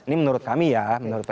ini menurut kami ya menurut psi